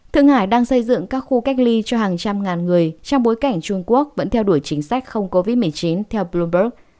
thượng hải đang xây dựng các khu cách ly cho hàng trăm ngàn người trong bối cảnh trung quốc vẫn theo đuổi chính sách không covid một mươi chín theo bloomberg